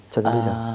cho đến bây giờ